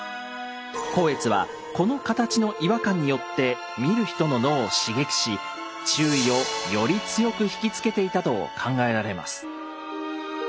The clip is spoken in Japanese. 光悦はこの形の違和感によって見る人の脳を刺激し注意をより強くひきつけていたと考えられます。